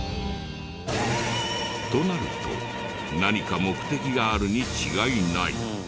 となると何か目的があるに違いない。